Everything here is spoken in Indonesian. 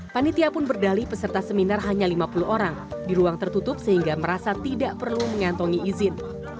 panitia pun berdali peserta seminar hanya lima puluh orang di ruang tertutup sehingga merasa tidak perlu mengantongi izin